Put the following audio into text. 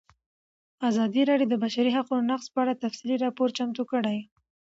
ازادي راډیو د د بشري حقونو نقض په اړه تفصیلي راپور چمتو کړی.